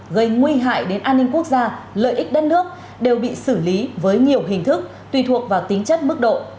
gây nguy hại đến an ninh quốc gia lợi ích đất nước đều bị xử lý với nhiều hình thức tùy thuộc vào tính chất mức độ